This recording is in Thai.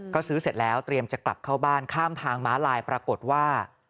ก็ซื้อเสร็จแล้วเตรียมจะกลับเข้าบ้านข้ามทางม้าลายปรากฏว่า